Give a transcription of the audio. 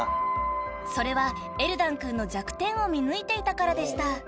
［それはエルダン君の弱点を見抜いていたからでした］